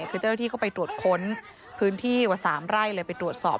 คือเจ้าหน้าที่เข้าไปตรวจค้นพื้นที่กว่า๓ไร่เลยไปตรวจสอบ